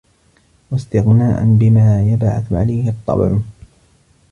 وَاسْتِغْنَاءً بِمَا يَبْعَثُ عَلَيْهِ الطَّبْعُ